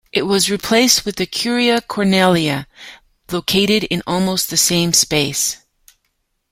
It was replaced with the Curia Cornelia, located in almost the same space.